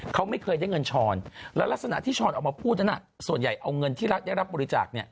และลักษณะที่ช้อนเอามาพูดนั้นส่วนใหญ่เอาเงินที่ได้รับบริจาค